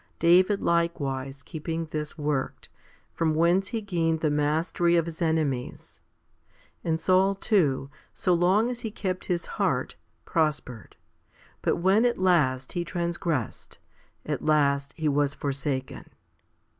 David likewise keeping this worked, from whence he gained the mastery of his enemies ; and Saul too, so long as he kept his heart, prospered, but when at last he transgressed, at last he was forsaken.